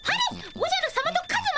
おじゃるさまとカズマさま